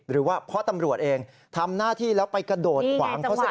หรือว่าเพราะตำรวจเองทำหน้าที่แล้วไปกระโดดขวางเขาซะ